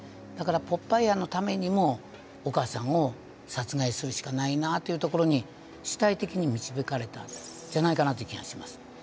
だからポッパエアのためにもお母さんを殺害するしかないなぁというところに主体的に導かれたじゃないかなという気がします。